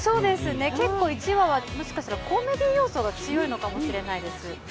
結構１話は、もしかしたらコメディー要素が強いのかもしれないです。